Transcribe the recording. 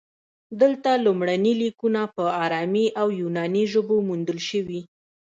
دلته لومړني لیکونه په ارامي او یوناني ژبو موندل شوي